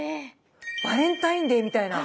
バレンタインデーみたいな。